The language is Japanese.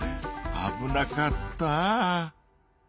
あぶなかった。